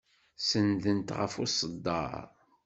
Senndent ɣer uṣeddar.